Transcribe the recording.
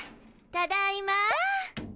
ただいま！